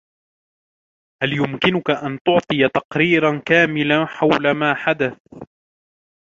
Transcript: هل يمكنك أن تعطي تقريراً كاملاً حول ما حدث؟